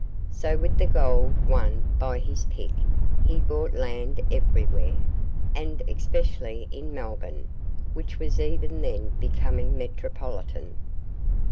So with the gold won by his pick he bought land everywhere, and especially in Melbourne, which was even then becoming metropolitan.